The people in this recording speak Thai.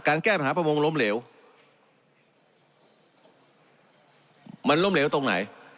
แก้ปัญหาประมงล้มเหลวมันล้มเหลวตรงไหน